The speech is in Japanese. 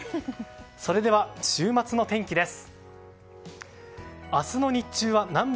それでは、週末の天気です。